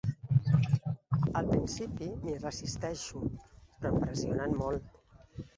Al principi m'hi resisteixo, però em pressionen molt.